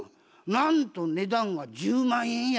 なんと値段が１０万円や。